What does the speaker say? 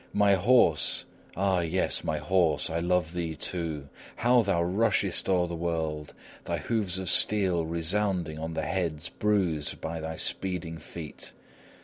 My horse! ah, yes! my horse! I love thee too! How thou rushest o'er the world! thy hoofs of steel resounding on the heads bruised by thy speeding feet.